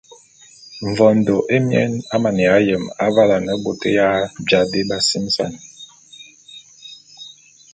Mvondo émien a maneya yem avale ane bôt ya ja dé b’asimesan.